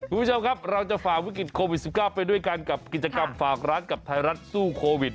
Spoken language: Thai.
คุณผู้ชมครับเราจะฝ่าวิกฤตโควิด๑๙ไปด้วยกันกับกิจกรรมฝากร้านกับไทยรัฐสู้โควิด